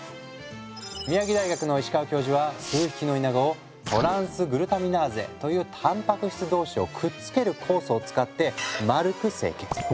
宮城大学の石川教授は数匹のイナゴをトランスグルタミナーゼというタンパク質同士をくっつける酵素を使って丸く成形。